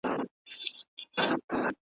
د شته من مړی یې تل غوښتی له خدایه ,